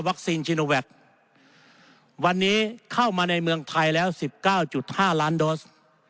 วัคซีนจิโนแวควันนี้เข้ามาในเมืองไทยแล้วสิบเก้าจุดห้าล้านโดส